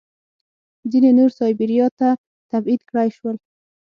ځینې نور سایبیریا ته تبعید کړای شول